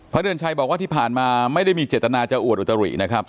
เดือนชัยบอกว่าที่ผ่านมาไม่ได้มีเจตนาจะอวดอุตรินะครับ